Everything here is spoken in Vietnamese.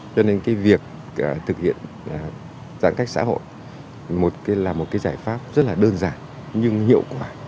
cho nên việc thực hiện giãn cách xã hội là một giải pháp rất đơn giản nhưng hiệu quả